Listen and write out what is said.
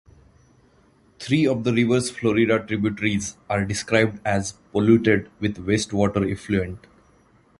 Three of the river's Florida tributaries are described as "polluted" with "waste water effluent".